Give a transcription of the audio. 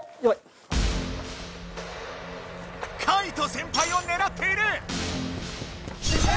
嘉惟人先輩をねらっている。